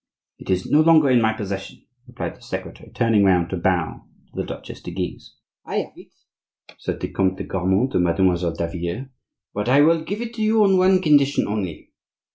"It is no longer in my possession," replied the secretary, turning round to bow to the Duchesse de Guise. "I have it," said the Comte de Grammont to Mademoiselle Davila, "but I will give it you on one condition only."